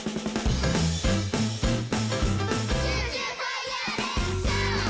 「ジュージューファイヤーレッツシャオ」